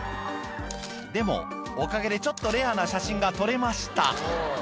「でもおかげでちょっとレアな写真が撮れました」